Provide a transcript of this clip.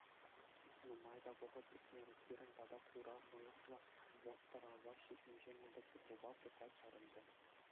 Нумай та вӑхӑт иртмерӗ, пирӗн пата хура мӑйӑхлӑ, вӑтӑралла ҫитнӗ ҫын мотоциклпа пырса чарӑнчӗ.